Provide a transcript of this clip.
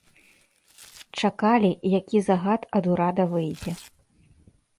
Чакалі, які загад ад урада выйдзе.